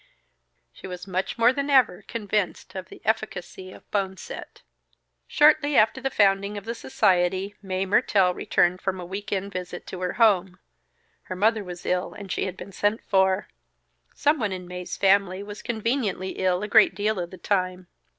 She was more than ever convinced of the efficacy of boneset. Shortly after the founding of the society, Mae Mertelle returned from a week end visit to her home. (Her mother was ill and she had been sent for. Someone in Mae's family was conveniently ill a great deal of the time.)